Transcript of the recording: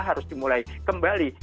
harus dimulai kembali